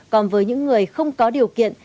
còn với những người không có điều kiện